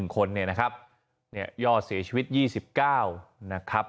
๑๐๑คนเนี่ยนะครับเนี่ยย่อเสียชีวิต๒๙นะครับ